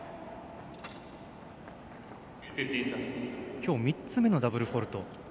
きょう３つ目のダブルフォールト。